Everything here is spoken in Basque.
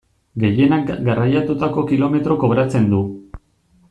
Gehienak garraiatutako kilometroko kobratzen du.